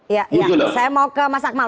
ya saya mau ke mas akmal